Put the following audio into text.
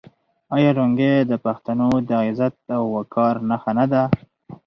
آیا لونګۍ د پښتنو د عزت او وقار نښه نه ده؟